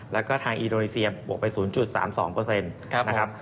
แล้วก็ทางอิโรนิเซียบวกไป๐๓๒เปอร์เซ็นต์นะครับ